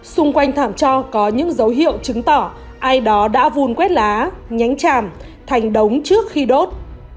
xung quanh thảm cho có những dấu hiệu chứng tỏ ai đó đã vun quét lá nhánh chàm thành đống trước khi đốt